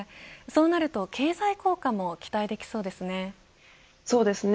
そうなると経済効果も期待できそうですね。